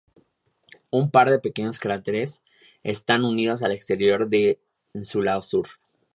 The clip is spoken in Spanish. Un par de pequeños cráteres están unidos al exterior en su lado sur.